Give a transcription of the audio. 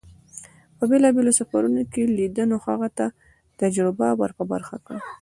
په بېلابېلو سفرون کې لیدنو هغه ته تجربه ور په برخه کړه.